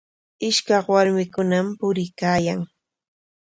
Ishkaq warmikunam puriykaayan.